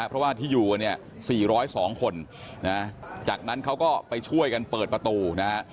เพราะว่าที่อยู่กันเนี่ย๔๐๒คนนะจากนั้นเขาก็ไปช่วยกันเปิดประตูนะฮะ